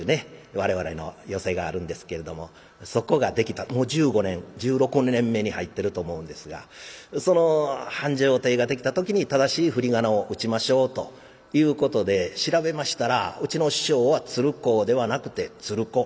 我々の寄席があるんですけれどもそこができたもう十五年十六年目に入ってると思うんですがその繁昌亭ができた時に正しい振り仮名を打ちましょうということで調べましたらうちの師匠は「鶴光」ではなくて「鶴光」